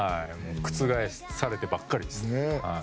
覆されてばかりです。